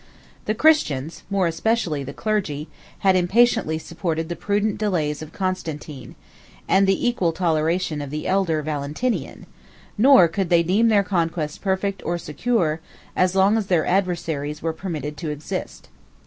The Christians, more especially the clergy, had impatiently supported the prudent delays of Constantine, and the equal toleration of the elder Valentinian; nor could they deem their conquest perfect or secure, as long as their adversaries were permitted to exist.